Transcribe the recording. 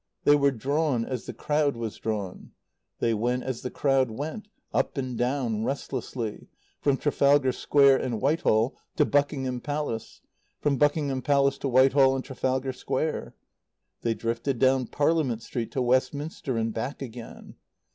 They were drawn, as the crowd was drawn; they went as the crowd went, up and down, restlessly, from Trafalgar Square and Whitehall to Buckingham Palace; from Buckingham Palace to Whitehall and Trafalgar Square. They drifted down Parliament Street to Westminster and back again.